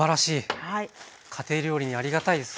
家庭料理にありがたいですねこれは。